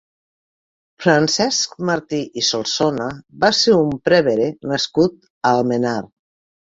Francesc Martí i Solsona va ser un prevere nascut a Almenar.